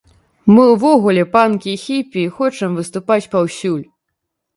Мы ўвогуле панкі і хіпі, і хочам выступаць паўсюль.